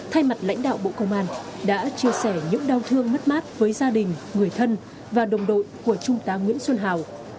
thay mặt lãnh đạo bộ công an đã chia sẻ những đau thương mất mát với gia đình người thân và đồng đội của trung tá nguyễn xuân hào